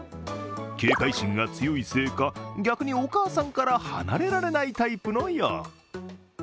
警戒心が強いせいか逆にお母さんから離れられないタイプのよう。